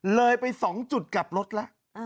เลยไป๒จุดกลับรถแล้ว